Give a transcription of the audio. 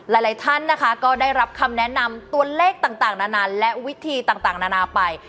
หลายท่านนะคะก็ได้รับคำแนะนำตัวเลขต่างนานานและวิธีต่างนานาไป